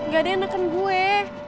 gak ada yang neken gue